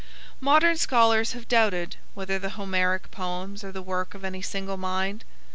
Modern scholars have doubted whether the Homeric poems are the work of any single mind.